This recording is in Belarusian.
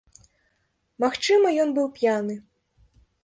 Магчыма, ён быў п'яны.